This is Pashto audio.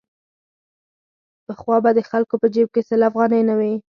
پخوا به د خلکو په جېب کې سل افغانۍ نه وې.